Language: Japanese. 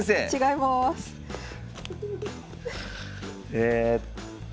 えっと。